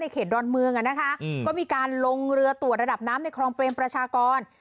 ก็มีการลงเรือตรวจระดับน้ำในคลองเตรียมประชากร